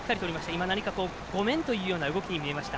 今、何か「ごめん」というような動きに見えました。